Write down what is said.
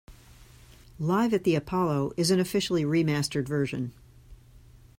"Live at the Apollo" is an officially remastered version.